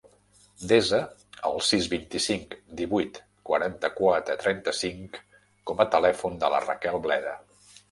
Desa el sis, vint-i-cinc, divuit, quaranta-quatre, trenta-cinc com a telèfon de la Raquel Bleda.